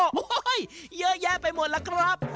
โอ้โหเยอะแยะไปหมดล่ะครับ